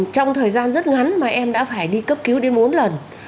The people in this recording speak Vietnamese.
trong thời gian rất ngắn mà em đã phải đi cấp cứu đến bốn lần